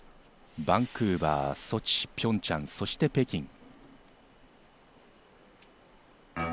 バンクーバー、ソチ、ピョンチャン、そして北京。